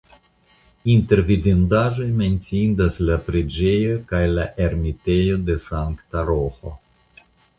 Inter vidindaĵoj menciindas la preĝejo kaj la ermitejo de Sankta Roĥo.